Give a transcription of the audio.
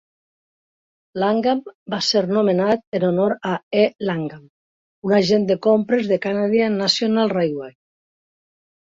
Langham va ser nomenat en honor a E. Langham, un agent de compres de Canadian National Railway.